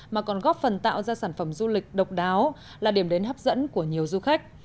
mà còn góp phần tạo ra sản phẩm du lịch độc đáo là điểm đến hấp dẫn của nhiều du khách